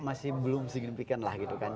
masih belum signifikan lah gitu kan